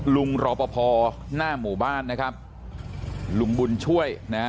รอปภหน้าหมู่บ้านนะครับลุงบุญช่วยนะฮะ